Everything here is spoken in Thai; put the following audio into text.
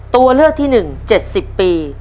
ตัวเลือกที่๑๗๐ปี